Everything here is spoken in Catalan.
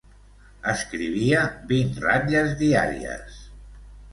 Escrivia vint ratlles diàries.